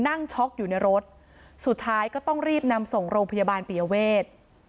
ช็อกอยู่ในรถสุดท้ายก็ต้องรีบนำส่งโรงพยาบาลปียเวท